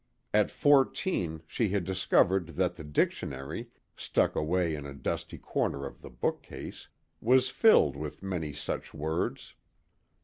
At fourteen she had discovered that the dictionary, stuck away in a dusty corner of the book case, was filled with many such words.